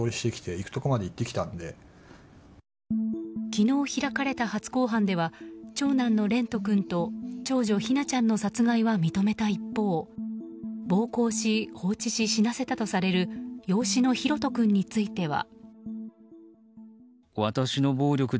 昨日開かれた初公判では長男の蓮翔君と長女・姫奈ちゃんの殺害は認めた一方暴行し放置し死なせたとされる養子の大翔君については。